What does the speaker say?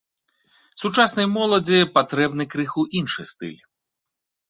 Сучаснай моладзі патрэбны крыху іншы стыль.